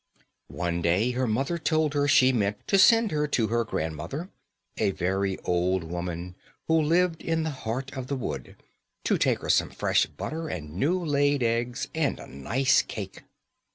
] One day her mother told her she meant to send her to her grandmother a very old woman who lived in the heart of the wood to take her some fresh butter and new laid eggs and a nice cake.